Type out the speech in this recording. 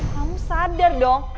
kamu sadar dong